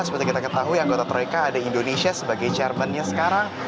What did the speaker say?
seperti kita ketahui anggota troika ada indonesia sebagai chairmannya sekarang